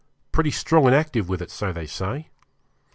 Pretty strong and active with it, so they say.